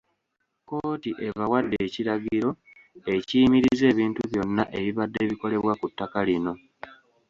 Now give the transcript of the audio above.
Kkooti ebawadde ekiragiro ekiyimiriza ebintu byonna ebibadde bikolebwa ku ttaka lino